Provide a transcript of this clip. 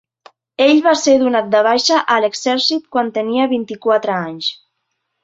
Ell va ser donat de baixa a l'exèrcit quan tenia vint-i-quatre anys.